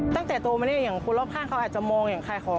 ตั้งแต่โตมาเนี่ยอย่างคนรอบข้างเขาอาจจะมองอย่างขายของ